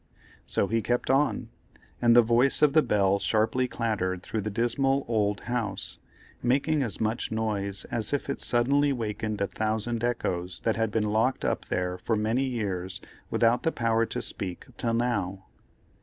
So he kept on, and the voice of the bell sharply clattered through the dismal old house, making as much noise as if it suddenly wakened a thousand echoes that had been locked up there for many years without the power to speak till now.